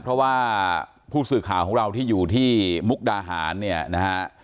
เพราะว่าผู้สื่อข่าวของเราที่อยู่ที่มุกดาหารเนี่ยนะฮะ